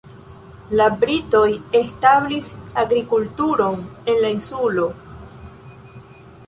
La britoj establis agrikulturon en la insulo.